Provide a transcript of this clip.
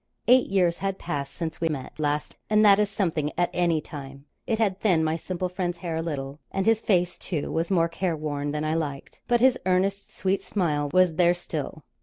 Eight years had passed since we met last, and that is something at any time. It had thinned my simple friend's hair a little, and his face, too, was more careworn than I liked, but his earnest, sweet smile was there still.